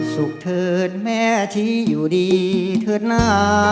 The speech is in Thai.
สุขเทินแม่ที่อยู่ดีเถิดหน้า